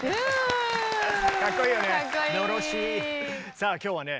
さあ今日はね